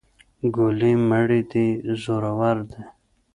ګلې مړې دې زورور دي.